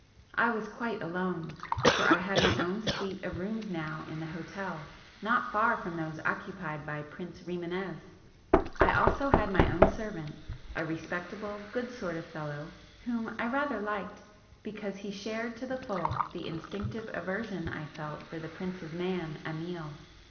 I was quite alone, for I had my own suite of rooms now in the hotel, not far from those occupied by Prince Rimânez; I also had my own servant, a respectable, good sort of fellow whom I rather liked because he shared to the full the instinctive aversion I felt for the prince's man, Amiel.